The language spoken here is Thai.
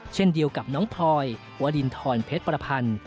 เช่นเดียวกับน้องพลอยวรินทรเพชรประพันธ์